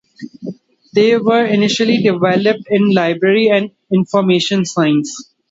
They were initially developed in library and information science.